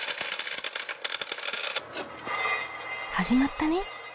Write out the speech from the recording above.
始まったね。